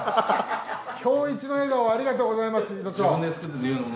今日いちの笑顔ありがとうございます板長。